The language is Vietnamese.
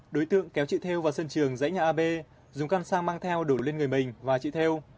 đối tượng kéo chị thêu vào sân trường dãy nhà ab dùng căn xăng mang theo đổ lên người mình và chị thêu